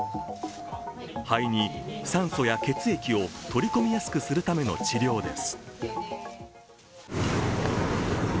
肺に酸素や血液を取り込みやすくするための治療です。